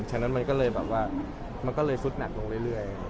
ฉะนั้นมันก็เลยสุดหนักลงเรื่อย